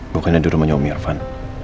bukannya di rumahnya umi irfan